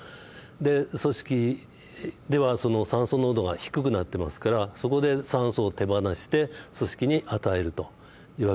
で組織ではその酸素濃度が低くなってますからそこで酸素を手放して組織に与えるという訳です。